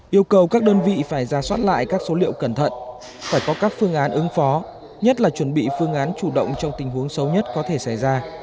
yêu cầu các đơn vị phải ra soát lại các số liệu cẩn thận phải có các phương án ứng phó nhất là chuẩn bị phương án chủ động trong tình huống xấu nhất có thể xảy ra